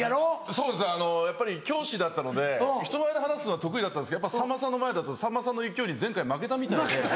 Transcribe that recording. そうですねやっぱり教師だったので人前で話すのは得意だったんですけどさんまさんの前だとさんまさんの勢いに前回負けたみたいで。